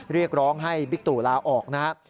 เรียกร้องให้บิ๊กตู่ลาออกนะครับ